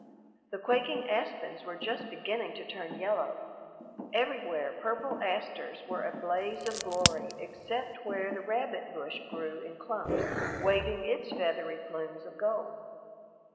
The quaking aspens were just beginning to turn yellow; everywhere purple asters were a blaze of glory except where the rabbit bush grew in clumps, waving its feathery plumes of gold.